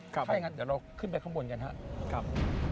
ถ้าอย่างนั้นเดี๋ยวเราขึ้นไปข้างบนกันครับ